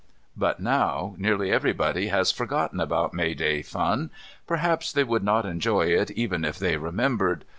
But now nearly everybody has forgotten about May Day fun. Perhaps they would not enjoy it even if they remembered.